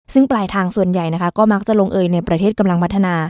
ซึ่งปลายทางส่วนใหญ่นะคะก็มักจะลงเอยในประเทศกำลังพัฒนา